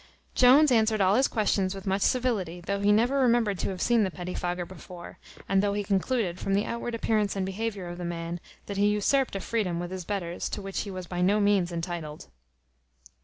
Jones answered all his questions with much civility, though he never remembered to have seen the petty fogger before; and though he concluded, from the outward appearance and behaviour of the man, that he usurped a freedom with his betters, to which he was by no means intitled.